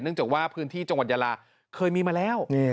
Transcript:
จากว่าพื้นที่จังหวัดยาลาเคยมีมาแล้ว